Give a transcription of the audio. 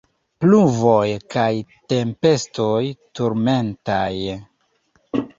Pluvoj kaj tempestoj turmentaj.